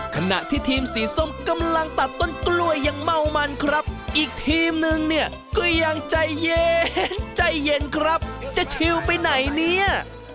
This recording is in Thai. ขณะที่ทีมสีส้มกำลังตัดต้นกล้วยยังเมามันครับอีกทีมนึงเนี่ยก็ยังใจเย็นใจเย็นครับจะชิวไปไหนเนี่ย